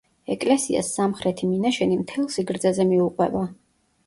ეკლესიას სამხრეთი მინაშენი მთელ სიგრძეზე მიუყვება.